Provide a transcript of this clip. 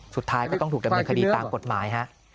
สุดท้ายก็ต้องถูกดำเนินคดีตามกฎหมายฮะ